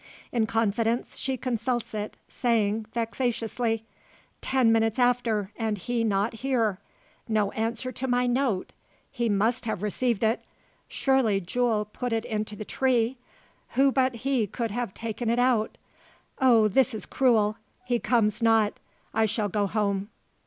In confidence she consults it; saying vexatiously: "Ten minutes after, and he not here! No answer to my note! He must have received it: Surely Jule put it into the tree? Who but he could have taken it out? Oh, this is cruel! He comes not I shall go home."